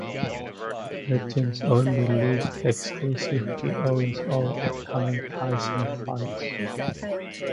Legends Only League exclusively owns all upcoming Tyson fights.